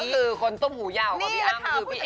นั่นก็คือคนต้มหูยาวของพี่อ้ำคือพี่เอ